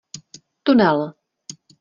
Tunel!